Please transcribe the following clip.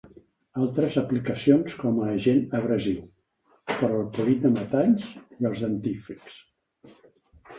Altres aplicacions com a agent abrasiu: per al polit de metalls, i als dentífrics.